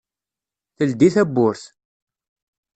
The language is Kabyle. Teldi tawwurt.